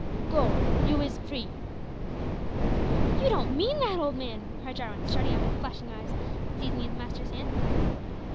Go you is free." "You don't mean that, old man?" cried Jarwin, starting up with flashing eyes and seizing his master's hand.